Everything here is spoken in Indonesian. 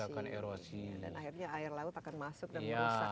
dan akhirnya air laut akan masuk dan merusak ya